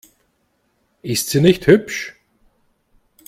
Ist sie nicht hübsch?